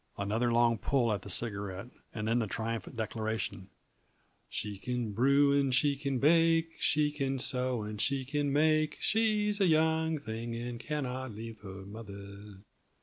Another long pull at the cigarette, and then the triumphant declaration: "She can brew n' she can bake, She can sew n' she can make She's a young thing, and cannot leave her mother."